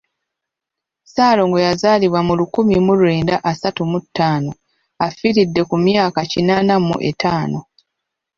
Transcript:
Ssaalongo yazaalibwa mu lukumi mu lwenda asatu mu ttaano afiiridde ku myaka kinaana mu etaano.